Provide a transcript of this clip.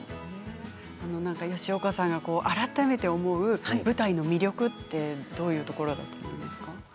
吉岡さんが改めて思う舞台の魅力ってどういうところだと思いますか。